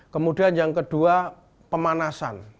kemudian yang kedua pemanasan